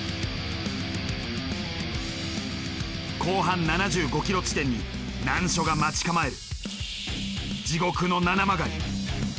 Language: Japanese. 後半７５ｋｍ地点に難所が待ち構える。